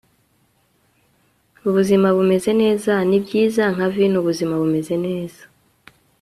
Ubuzima bumeze neza Nibyiza nka vino Ubuzima bumeze neza